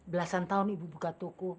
belasan tahun ibu buka toko